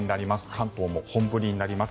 関東も本降りになります。